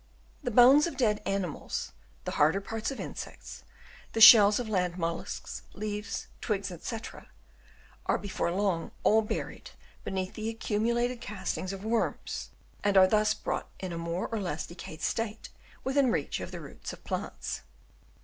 The bones of dead animals, the harder parts of insects, the shells of land molluscs, leaves, twigs, &c, are before long all buried beneath the accumulated castings of worms, and are thus brought in a more or less decayed state within reach of the roots of plants.